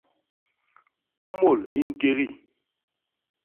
Kômôl i ñkégi.